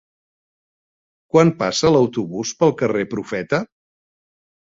Quan passa l'autobús pel carrer Profeta?